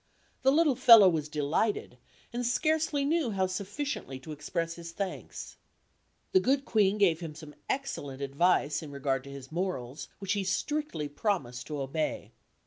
The little fellow was delighted, and scarcely knew how sufficiently to express his thanks. The good Queen gave him some excellent advice in regard to his morals, which he strictly promised to obey.